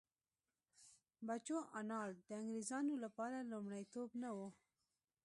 بچوانالنډ د انګرېزانو لپاره لومړیتوب نه و.